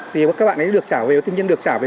thì các bạn ấy được trả về tự nhiên được trả về